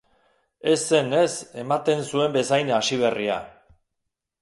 Ez zen, ez, ematen zuen bezain hasiberria.